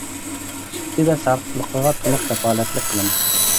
سۈپىتى ۋە ساپلىقىغا تولۇق كاپالەتلىك قىلىمىز.